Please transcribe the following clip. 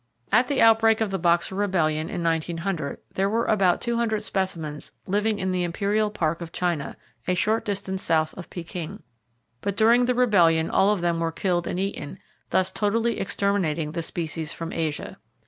At the outbreak of the Boxer Rebellion, in 1900, there were about 200 specimens living in the imperial park of China, a short distance south of Pekin; but during the rebellion, all of them were killed and eaten, thus totally exterminating the species from Asia.